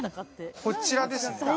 こちらです。